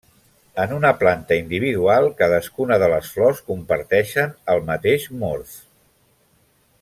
En una planta individual, cadascuna de les flors comparteixen el mateix morf.